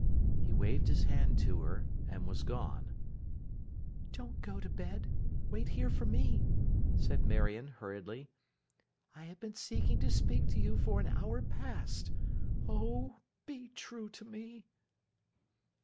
He waved his hand to her, and was gone. 'Don't go to bed. Wait here for me!' said Marion, hurriedly. 'I have been seeking to speak to you for an hour past. Oh, be true to me!